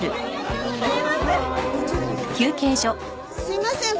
すいません。